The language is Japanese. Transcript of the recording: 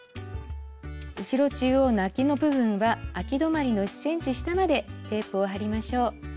後ろ中央のあきの部分はあき止まりの１ｃｍ下までテープを貼りましょう。